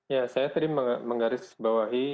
ya saya tadi menggarisbawahi